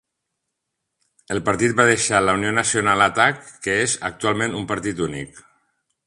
El partit va deixar La Unió Nacional Atac, que és actualment un partit únic.